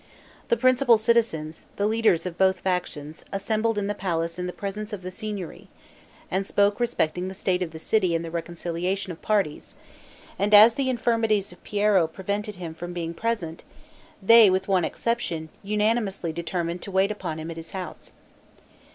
The principal citizens, the leaders of both factions, assembled in the palace in the presence of the Signory, and spoke respecting the state of the city and the reconciliation of parties; and as the infirmities of Piero prevented him from being present, they, with one exception, unanimously determined to wait upon him at his house.